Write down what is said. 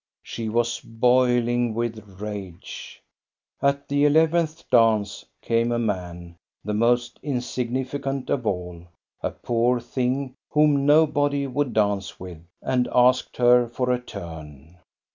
She was boiling with rage. At the eleventh dance came a man, the most in Mgnificant of all, a poor thing, whom nobody would dance with, and asked her for a turn.